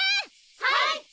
はい！